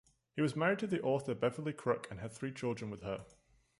He was married to author Beverly Crook and had three children with her.